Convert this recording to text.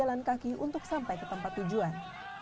jalan kaki untuk sampai ke tempat tujuan